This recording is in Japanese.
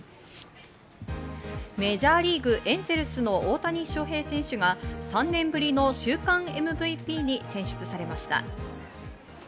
メジャーリーグ・エンゼルスの大谷翔平選手が３年ぶりの週間ＭＶＰに選出されました。